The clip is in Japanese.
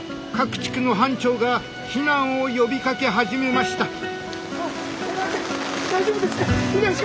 各地区の班長が避難を呼びかけ始めました。